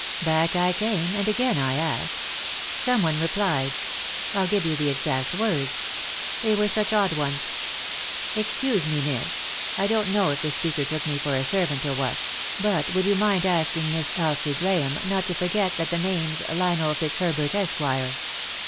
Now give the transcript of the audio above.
Back I came, and again I asked. Someone replied — I'll give you the exact words ; they were such odd ones: 'Excuse me, miss' — I don't know if the speaker took me for a servant, or what —' but would you mind asking Miss Elsie Grahame not to forget that the name's Lionel Fitzherbert, Esquire.'